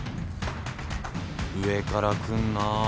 上から来んな。